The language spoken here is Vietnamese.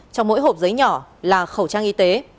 trong mỗi hộp giấy nhỏ là khẩu trang y tế